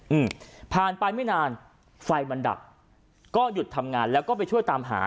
อืมผ่านไปไม่นานไฟมันดับก็หยุดทำงานแล้วก็ไปช่วยตามหา